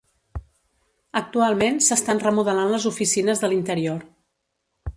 Actualment s'estan remodelant les oficines de l'interior.